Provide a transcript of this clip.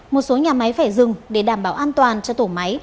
một số nhà máy phải dừng để đảm bảo an toàn cho tổ máy